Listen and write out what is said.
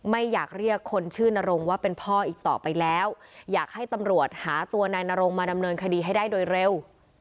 ไม่อยากเรียกคนชื่อนรงว่าเป็นพ่ออีกต่อไปแล้วอยากให้ตำรวจหาตัวนายนรงมาดำเนินคดีให้ได้โดยเร็ว